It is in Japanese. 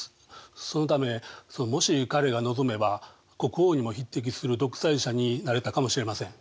そのためもし彼が望めば国王にも匹敵する独裁者になれたかもしれません。